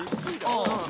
ああ。